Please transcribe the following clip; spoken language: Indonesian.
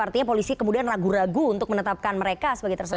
artinya polisi kemudian ragu ragu untuk menetapkan mereka sebagai tersangka